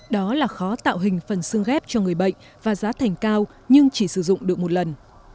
đó là khó tạo hình phần xương ghép cho người bệnh và giá thành cao nhưng chỉ sử dụng được một lần